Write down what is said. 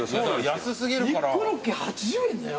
肉コロッケ８０円だよ？